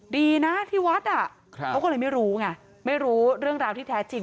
ดีนะที่วัดอ่ะเขาก็เลยไม่รู้ไงไม่รู้เรื่องราวที่แท้จริง